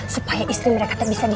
supaya istri mereka tuh bisa berubah